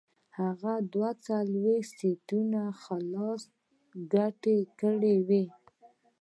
هغه دوه څلوېښت سنټه خالصه ګټه کړې وه